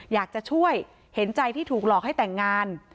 อยากจะช่วยเห็นใจที่ถูกหลอกให้แต่งงาน